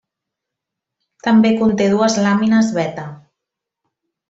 També conté dues làmines beta.